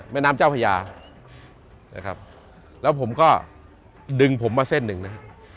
แม่น้ำเจ้าพญานะครับแล้วผมก็ดึงผมมาเส้นหนึ่งนะฮะ